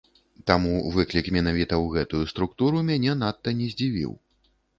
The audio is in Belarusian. Таму выклік менавіта ў гэтую структуру мяне надта не здзівіў.